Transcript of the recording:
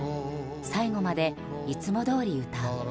最後までいつもどおり歌う。